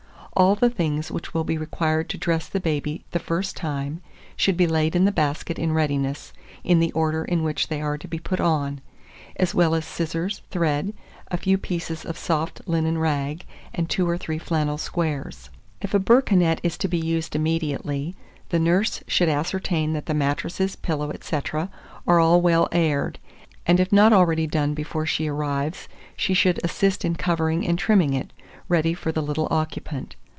All the things which will be required to dress the baby the first time should be laid in the basket in readiness, in the order in which they are to be put on; as well as scissors, thread, a few pieces of soft linen rag, and two or three flannel squares. If a berceaunette is to be used immediately, the nurse should ascertain that the mattresses, pillow, &c. are all well aired; and if not already done before she arrives, she should assist in covering and trimming it, ready for the little occupant.